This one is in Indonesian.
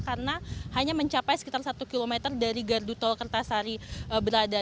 karena hanya mencapai sekitar satu km dari gardu tol kertasari berada